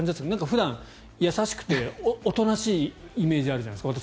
普段、優しくておとなしいイメージがあるじゃないですか。